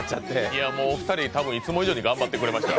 いや、もうお二人たぶんいつも以上に頑張ってくれました。